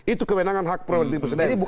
itu kebenangan hak pro presiden